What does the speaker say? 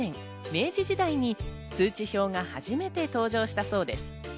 明治時代に通知表が初めて登場したそうです。